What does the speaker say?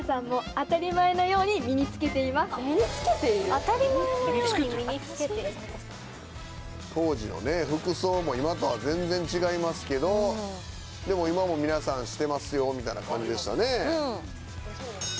・当たり前のように身に着けている・当時の服装も今とは全然違いますけどでも今も皆さんしてますよみたいな感じでしたね。